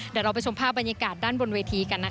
เดี๋ยวเราไปชมภาพบรรยากาศด้านบนเวทีกันนะคะ